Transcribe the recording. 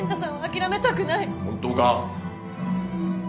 本当か？